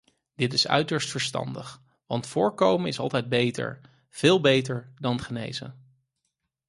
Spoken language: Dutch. Dit is uiterst verstandig, want voorkomen is altijd beter, veel beter, dan genezen.